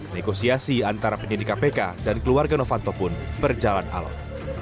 negosiasi antara penyidik kpk dan keluarga novanto pun berjalan alat